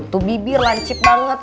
tuh bibir lancip banget